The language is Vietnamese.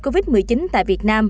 bến tre chín